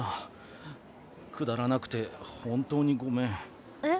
くだらなくて本当にごめん。え？